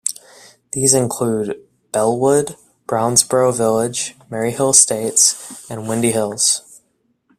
These include Bellewood, Brownsboro Village, Maryhill Estates and Windy Hills.